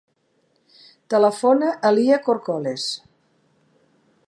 Telefona a la Lya Corcoles.